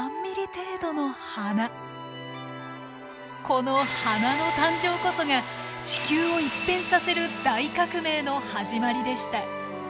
この花の誕生こそが地球を一変させる大革命の始まりでした。